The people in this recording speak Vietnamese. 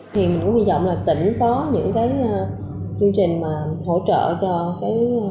thì mình cũng hy vọng là tỉnh có những cái chương trình mà hỗ trợ cho cái